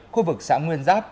khu vực xã nguyên giáp